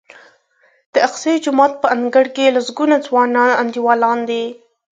د اقصی جومات په انګړ کې لسګونه ځوانان انډیوالان دي.